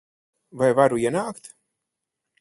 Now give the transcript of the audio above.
Vai varu ienākt?